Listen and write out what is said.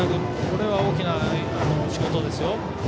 これは大きな仕事ですよ。